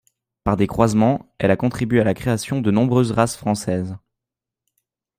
Par des croisements, elle a contribué à la création de nombreuses races françaises.